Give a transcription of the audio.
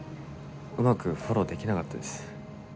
うまくフォローできなかったです。